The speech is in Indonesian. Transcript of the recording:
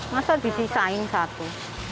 masa disisain satu